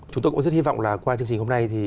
chúng tôi cũng rất hy vọng là qua chương trình hôm nay